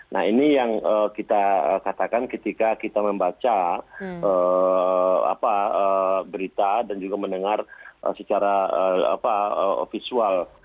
nah ini yang kita katakan ketika kita membaca berita dan juga mendengar secara visual